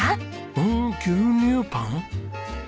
うーん牛乳パン？